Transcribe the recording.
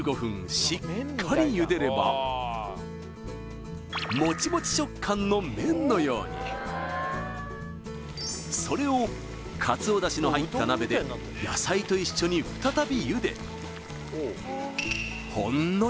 しっかり茹でればの麺のようにそれをカツオ出汁の入った鍋で野菜と一緒に再び茹でほんのり